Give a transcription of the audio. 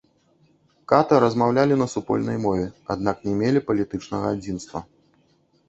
Ката размаўлялі на супольнай мове, аднак не мелі палітычнага адзінства.